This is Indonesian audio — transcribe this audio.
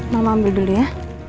mama ambil dulu ya